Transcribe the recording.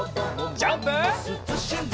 ジャンプ！